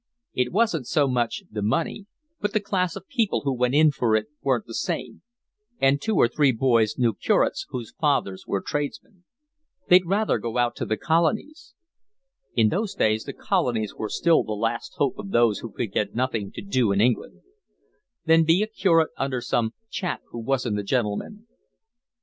It wasn't so much the money; but the class of people who went in for it weren't the same; and two or three boys knew curates whose fathers were tradesmen: they'd rather go out to the Colonies (in those days the Colonies were still the last hope of those who could get nothing to do in England) than be a curate under some chap who wasn't a gentleman.